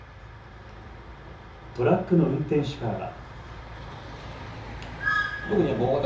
トラックの運転手からは。